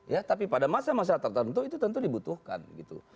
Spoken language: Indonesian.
ya tapi pada masa masa tertentu itu tentu dibutuhkan gitu